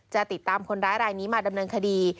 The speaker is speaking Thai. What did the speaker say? จะติดตามคนร้ายรายนี้มาดำเนินคดี